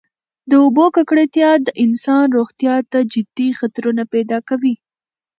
د اوبو ککړتیا د انسان روغتیا ته جدي خطرونه پیدا کوي.